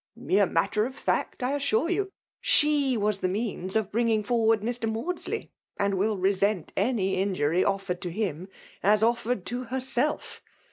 " Mere matter of fact, I assure you. She was the means of bringing forward Mr. Maudsley, and will resent any injury offered to him as offered to herself.